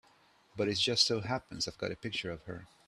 But it just so happens I've got a picture of her.